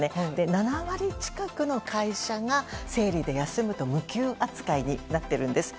７割近くの会社が生理で休むと無給扱いになっているんです。